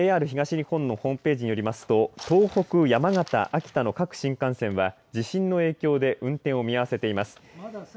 ＪＲ東日本のホームページによりますと東北、山形、秋田の各新幹線は地震の影響で運転を見合わせています。